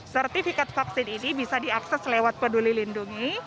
sertifikat vaksin ini bisa diakses lewat peduli lindungi